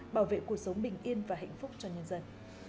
bảo vệ cuộc sống bình yên và hạnh phúc cho nhân dân